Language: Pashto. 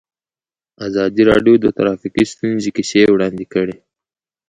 ازادي راډیو د ټرافیکي ستونزې کیسې وړاندې کړي.